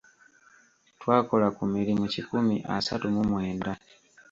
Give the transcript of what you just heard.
Twakola ku mirimu kikumi asatu mu mwenda.